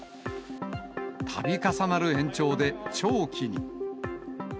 たび重なる延長で長期に。